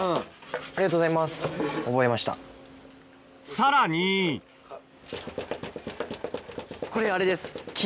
さらにこれあれです。